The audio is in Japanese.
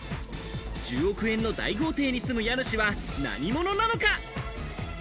１０億円の大豪邸に住む家主は何者なのか？